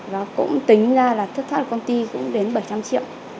và cũng tính ra là thất thoát của công ty cũng đến bảy trăm linh triệu